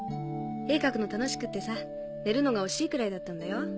絵描くの楽しくてさ寝るのが惜しいくらいだったんだよ。